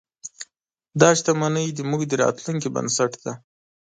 دا شتمنۍ زموږ د راتلونکي بنسټ دی.